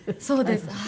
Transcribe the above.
そうです。